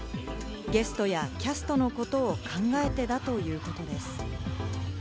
ゲストやキャストのことを考えてだということです。